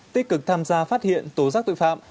tích cực tham gia phát hiện tố giác tội phạm